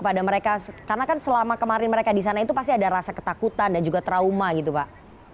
pada mereka karena kan selama kemarin mereka di sana itu pasti ada rasa ketakutan dan juga trauma gitu pak